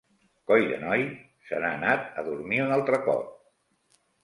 Coi de noi, se n'ha anat a dormir un altre cop.